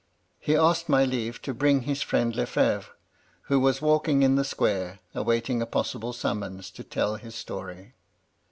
He asked my leave to bring in his friend Le Febvre, who MY LADY LUDLOW. 133 was walking In the square, awaiting a possible summons to tell his story.